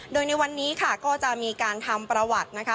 โดยในวันนี้ค่ะก็จะมีการทำประวัตินะคะ